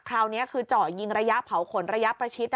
คราวนี้คือเจาะยิงระยะเผาขนระยะประชิด